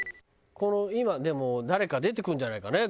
この今でも誰か出てくるんじゃないかね